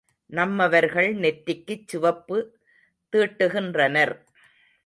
நம்மவர்கள் நெற்றிக்குச் சிவப்பு தீட்டுகின்றனர்.